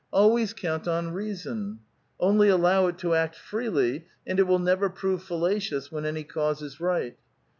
Always count on reason ; only allow it to act freely, and it will never prove fallacious when any cause is right.